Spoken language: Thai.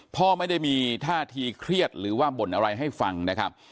พ่อไม่ได้มีท่าทีเครียดหรือว่าบ่นอะไรให้ฟังนะครับ